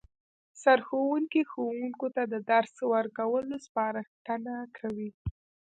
سرښوونکی ښوونکو ته د درس ورکولو سپارښتنه کوي